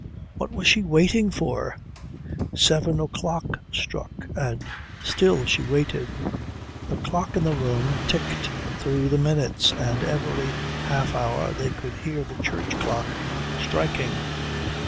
What was she waiting for? Seven o'clock struck, and still she waited. The clock in the room ticked through the minutes, and every half hour they could hear the church clock striking.